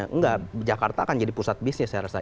enggak jakarta akan jadi pusat bisnis saya rasa